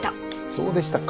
そうでしたか。